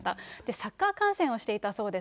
サッカー観戦をしていたそうです。